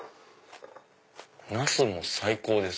ナスも最高です。